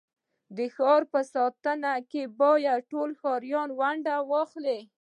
د ښار په ساتنه کي بايد ټول ښاریان ونډه واخلي.